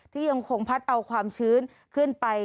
ยังคงพัดเอาความชื้นขึ้นไป